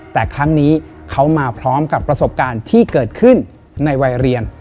แต่ครั้งนี้เขามาพร้อมกับประสบการณ์ที่เกิดขึ้นในวัยเรียน